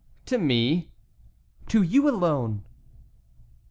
"To me?" "To you alone."